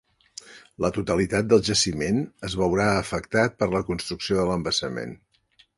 La totalitat del jaciment es veurà afectat per la construcció de l'embassament.